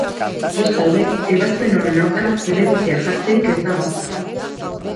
Bestalde, ebazpen horren aurka helegitea jartzerik ez dago.